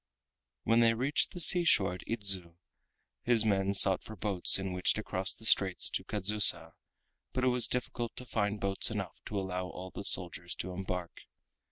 When they reached the seashore at Idzu his men sought for boats in which to cross the straits to Kadzusa, but it was difficult to find boats enough to allow all the soldiers to embark.